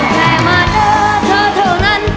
แค่มาเจอเธอเท่านั้น